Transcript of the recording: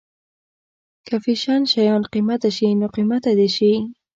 که فیشن شيان قیمته شي نو قیمته دې شي.